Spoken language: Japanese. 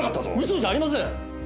嘘じゃありません！